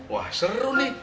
wah seru nih